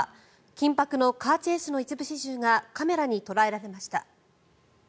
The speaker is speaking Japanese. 緊迫のカーチェイスの一部始終がカメラに捉えられました。